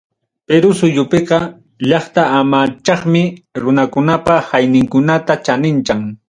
Perú suyupiqa, llaqta amachaqmi runakunapa hayñinkunata chaninchan.